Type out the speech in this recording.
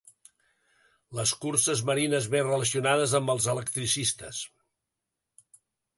Les curses marines més relacionades amb els electricistes.